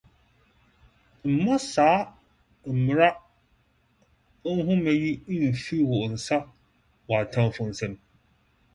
Mma saa mmara nhoma yi mmfi wo nsa wɔ atamfo nsam.